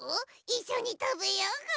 いっしょにたべようぐ。